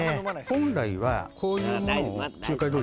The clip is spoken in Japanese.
本来はこういうものを。